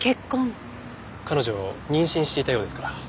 彼女妊娠していたようですから。